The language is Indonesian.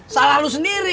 salah lo sendiri